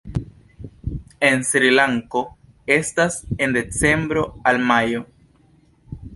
En Srilanko estas en decembro al majo.